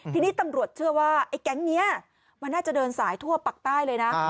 ทีนี้ตำรวจเชื่อว่าไอ้แก๊งนี้มันน่าจะเดินสายทั่วปักใต้เลยนะ